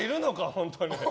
本当に。